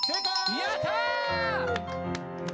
やったー！